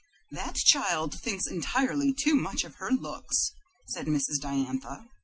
"That child thinks entirely too much of her looks," said Mrs. Diantha.